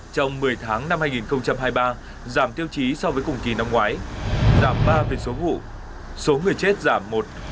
trong một mươi tháng năm hai nghìn hai mươi ba giảm tiêu chí so với cùng kỳ năm ngoái giảm ba về số vụ số người chết giảm một